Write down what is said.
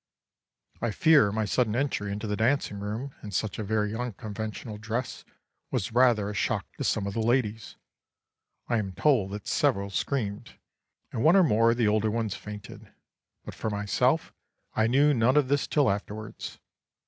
"I fear my sudden entry into the dancing room in such a very unconventional dress was rather a shock to some of the ladies. I am told that several screamed, and one or more of the older ones fainted; but for myself I knew none of this till afterwards.